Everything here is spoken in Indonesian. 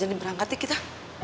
gak jadi berangkat deh kita